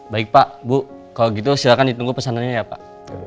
baik pak bu kalau gitu silahkan ditunggu pesanannya ya pak